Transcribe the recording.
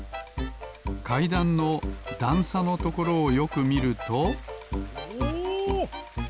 かいだんのだんさのところをよくみるとおお！